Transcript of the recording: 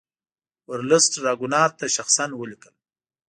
ورلسټ راګونات ته شخصا ولیکل.